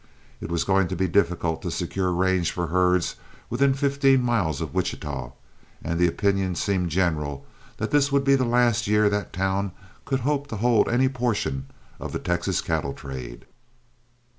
It was going to be difficult to secure range for herds within fifteen miles of Wichita, and the opinion seemed general that this would be the last year that town could hope to hold any portion of the Texas cattle trade.